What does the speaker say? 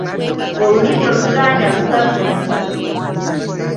Olulimi Oluganda lugagga nnyo.